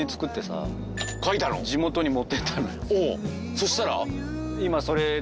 そしたら？